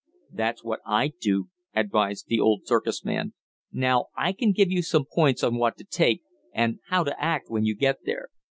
"That's what I'd do," advised the old circus man. "Now I can give you some points on what to take, and how to act when you get there.